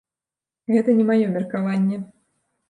Гэта не маё меркаванне.